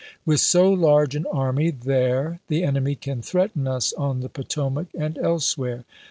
With so large an army there the enemy can threaten us on the Potomac and elsewhere.